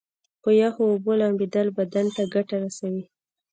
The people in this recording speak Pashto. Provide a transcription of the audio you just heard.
په یخو اوبو لمبیدل بدن ته ګټه رسوي.